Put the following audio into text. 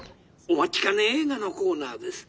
お待ちかね映画のコーナーです。